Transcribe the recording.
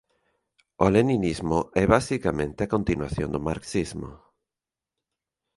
O leninismo é basicamente a continuación do marxismo.